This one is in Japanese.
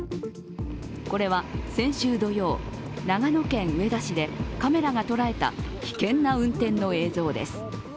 これは先週土曜、長野県上田市でカメラが捉えた危険な運転の映像です。